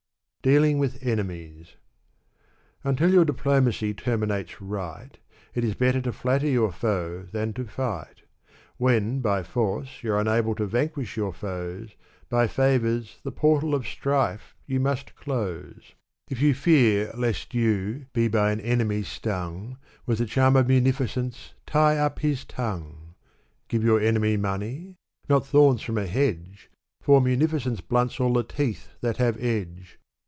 Dealing wtih Enemies. Until your diplomacy terminates right, It is better to flatter your foe, than to fight When, by force, you're unable to vanquish your foes, By favors, the portal of strife you must close ! Digitized by Google *€^ Bustan. 329 If you fear lest you be by an enemy stung, With the charm of munificence, tie up his tongue ! Give your enemy money? — not thorns from a hedge ! For munificence blunts all the teeth that have edge.